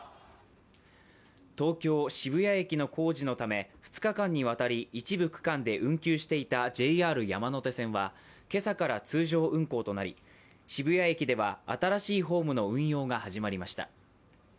東京・渋谷駅の工事のため２日間にわたり一部区間で運休していたＪＲ山手線は今朝から通常運行となり渋谷駅では新しいホームの運用が始まりました。